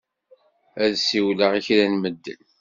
Ad siwleɣ i kra n medden.